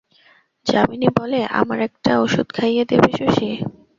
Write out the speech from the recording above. যামিনী বলে, আমার একটা ওষুধ খাইয়ে দেবে শশী?